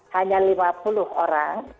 hanya lima puluh orang